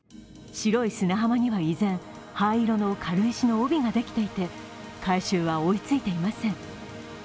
白い砂浜には依然、灰色の軽石の帯ができていて回収は追いついていません。